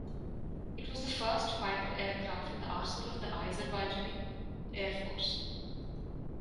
It was the first fighter aircraft in the arsenal of the Azerbaijani Air Force.